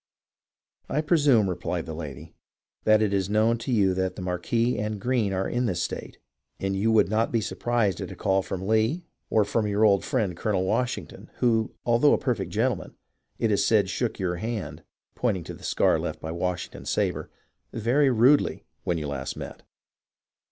"I presume," replied the lady, "that it is known to you that the Marquis and Greene are in this state, and you would not be surprised at a call from Lee or your old friend. Colonel Washington, who, although a perfect gen tleman, it is said shook your hand (pointing to the scar left by Washington's sabre) very rudely when you last met."